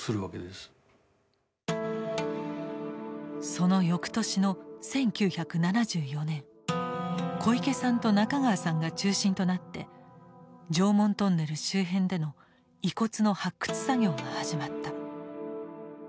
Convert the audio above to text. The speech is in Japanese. その翌年の１９７４年小池さんと中川さんが中心となって常紋トンネル周辺での遺骨の発掘作業が始まった。